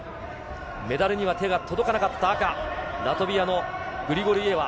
メダルには手が届かなかった赤、ラトビアのグリゴルイエワ。